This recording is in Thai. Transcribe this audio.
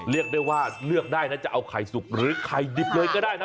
เลือกได้ว่าใส่ไข่สุกรือไข่ดิบเลยก็ได้